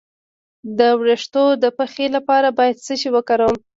د ویښتو د پخې لپاره باید څه شی وکاروم؟